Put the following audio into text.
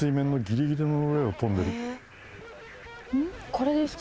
これですか？